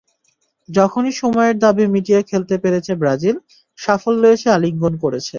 যখনই সময়ের দাবি মিটিয়ে খেলতে পেরেছে ব্রাজিল, সাফল্য এসে আলিঙ্গন করেছে।